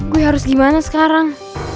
gue harus gimana sekarang